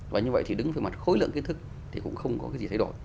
và như vậy thì đứng về mặt khối lượng kiến thức thì cũng không có cái gì thay đổi